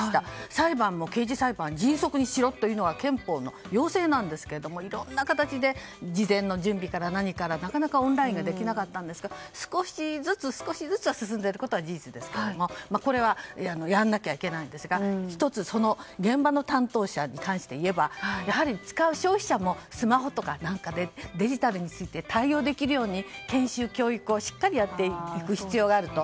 裁判も刑事裁判迅速にしろというのが憲法の要請なんですがいろんな形で事前の準備から何からなかなかオンラインでできなかったんですが少しずつ進んでいることは事実ですがこれはやらなきゃいけないですが現場の担当者に対して言えば使う消費者もスマホか何かでデジタルについて対応できるように研修・教育をしっかりやっていく必要があると。